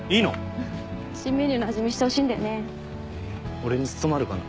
俺に務まるかな。